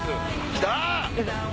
来た！